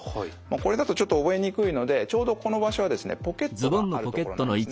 これだとちょっと覚えにくいのでちょうどこの場所はですねポケットがある所なんですね。